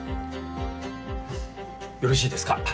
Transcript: よろしいですか？